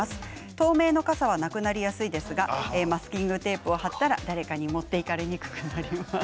透明の傘は、なくなりやすいですがマスキングテープを貼ったら誰かに持っていかれにくくなります。